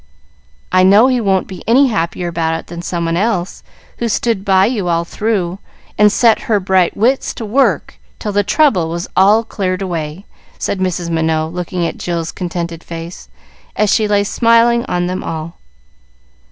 "I know he won't be any happier about it than someone else, who stood by you all through, and set her bright wits to work till the trouble was all cleared away," said Mrs. Minot, looking at Jill's contented face, as she lay smiling on them all.